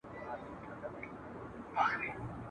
نه پېچک نه ارغوان یم !.